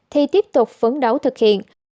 thì tiếp tục phấn đấu thực hiện